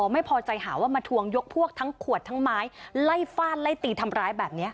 ไม่พอใจหาว่ามาทวงยกพวกทั้งขวดทั้งไม้ไล่ฟาดไล่ตีทำร้ายแบบนี้